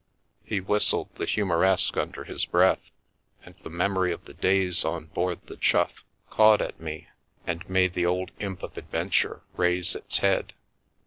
He whistled the " Humoreske " under his breath, and the memory of the days on board the Chough caught at me, and made the old imp of adventure raise its head.